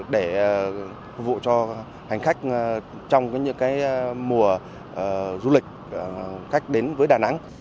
để phục vụ cho hành khách trong những mùa du lịch khách đến với đà nẵng